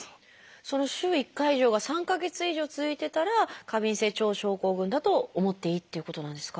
その週１回以上が３か月以上続いてたら過敏性腸症候群だと思っていいっていうことなんですか？